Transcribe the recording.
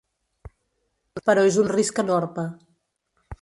Però és un risc enorme.